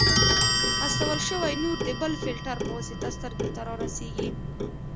استول شوی نور د بل فلټر په واسطه سترګو ته رارسیږي.